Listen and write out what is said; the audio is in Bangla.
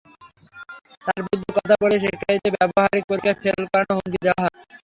তাঁর বিরুদ্ধে কথা বললে শিক্ষার্থীদের ব্যবহারিক পরীক্ষায় ফেল করানোর হুমকি দেওয়া হয়।